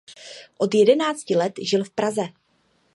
Od jedenácti let žil v Praze.